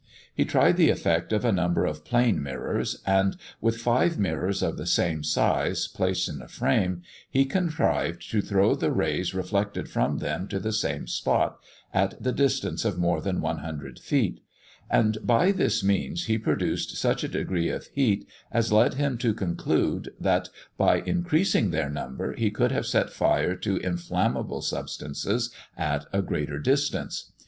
He tried the effect of a number of plane mirrors; and, with five mirrors of the same size, placed in a frame, he contrived to throw the rays reflected from them to the same spot, at the distance of more than 100 feet; and by this means he produced such a degree of heat, as led him to conclude that, by increasing their number, he could have set fire to inflammable substances at a greater distance.